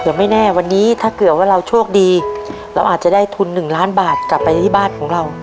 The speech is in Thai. แต่ไม่แน่วันนี้ถ้าเกิดว่าเราโชคดีเราอาจจะได้ทุนหนึ่งล้านบาทกลับไปที่บ้านของเรา